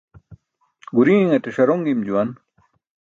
Guriinate ṣaron gim juwan.